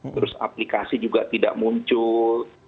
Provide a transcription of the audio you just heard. terus aplikasi juga tidak muncul